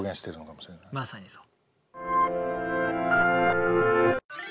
まさにそう。